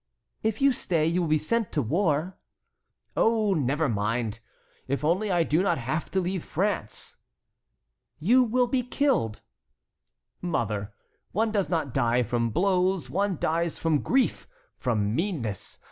"If you stay you will be sent to war." "Oh, never mind! if only I do not have to leave France." "You will be killed." "Mother, one does not die from blows; one dies from grief, from meanness.